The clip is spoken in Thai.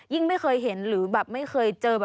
ไม่เคยเห็นหรือแบบไม่เคยเจอ